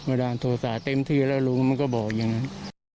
เมื่อด้านโทษศาสตร์เต็มทีแล้วลุงมันก็บอกอย่างนั้น